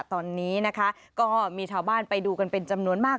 ตอนนี้นะคะก็มีชาวบ้านไปดูกันเป็นจำนวนมาก